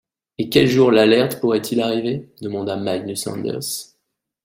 Et quel jour l’Alert pourrait-il arriver ?… demanda Magnus Anders.